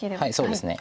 そうですね。